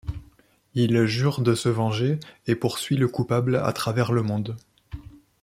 Il jure de se venger et poursuit le coupable à travers le monde.